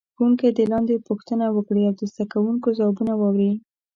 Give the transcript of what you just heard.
ښوونکی دې لاندې پوښتنه وکړي او د زده کوونکو ځوابونه واوري.